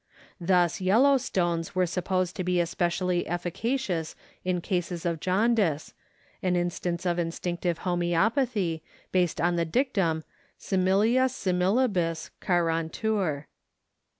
Thus, yellow stones were supposed to be especially efficacious in cases of jaundice, an instance of instinctive homœopathy, based on the dictum similia similibus curantur.